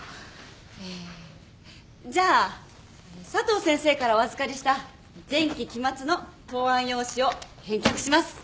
えじゃあ佐藤先生からお預かりした前期期末の答案用紙を返却します。